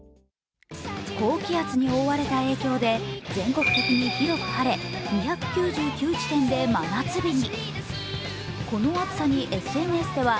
高気圧に覆われた影響で全国に広く晴れて２９９地点で真夏日に。